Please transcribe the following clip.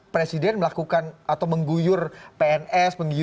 presiden melakukan atau mengguyur pns